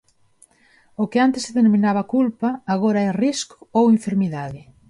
O que antes se denominaba culpa agora é risco ou enfermidade.